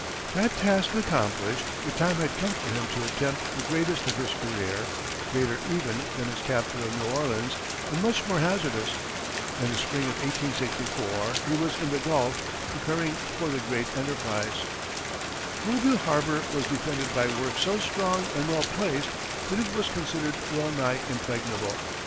That task accomplished, the time had come for him to attempt the greatest of his career greater, even, than his capture of New Orleans, and much more hazardous. In the spring of 1864, he was in the Gulf, preparing for the great enterprise. Mobile harbor was defended by works so strong and well placed that it was considered well nigh impregnable.